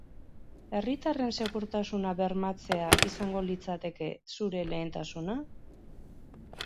Herritarren segurtasuna bermatzea izango litzateke zure lehentasuna?